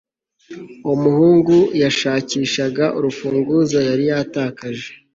Umuhungu yashakishaga urufunguzo yari yatakaje